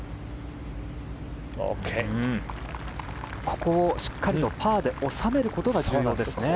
ここをしっかりとパーで収めることが重要ですね。